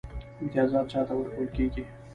امتیازات چا ته ورکول کیږي؟